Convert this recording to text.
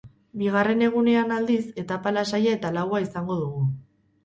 Bigarren egunean, aldiz, etapa lasaia eta laua izango dugu.